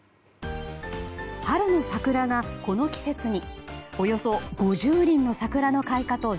春の桜がこの季節に。